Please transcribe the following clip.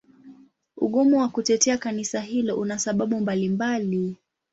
Ugumu wa kutetea Kanisa hilo una sababu mbalimbali.